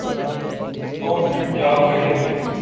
تو پھر کیا کریں گے؟